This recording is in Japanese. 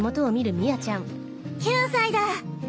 ９歳だ！